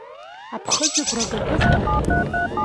Аԥхыӡ агәра гатәызма?!